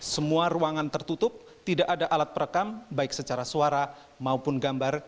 semua ruangan tertutup tidak ada alat perekam baik secara suara maupun gambar